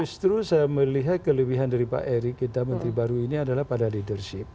justru saya melihat kelebihan dari pak erick kita menteri baru ini adalah pada leadership